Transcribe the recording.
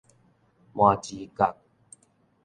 麻糍角